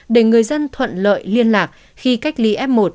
để người dân thuận lợi liên lạc khi cách ly f một